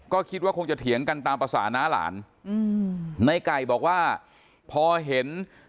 ก็คิดว่าคงจะเถียงกันตามภาษาน้าหลานอืมในไก่บอกว่าพอเห็น